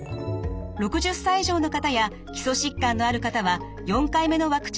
６０歳以上の方や基礎疾患のある方は４回目のワクチン接種を受けましょう。